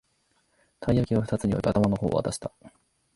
たい焼きをふたつに分け、頭の方を渡した